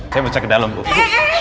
saya mau cek ke dalam bu